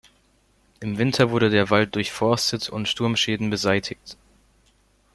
Im Winter wurde der Wald durchforstet und Sturmschäden beseitigt.